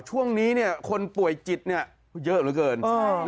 ช่วงนี้คนป่วยจิตเยอะเหลือเกิน